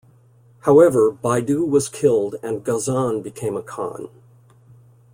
However, Baidu was killed and Ghazan became a khan.